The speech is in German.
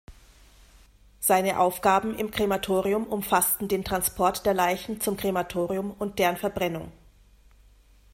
Seine Aufgaben im Krematorium umfassten den Transport der Leichen zum Krematorium und deren Verbrennung.